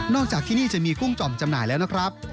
อกจากที่นี่จะมีกุ้งจ่อมจำหน่ายแล้วนะครับ